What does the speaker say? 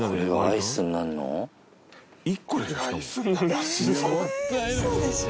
１個でしょ？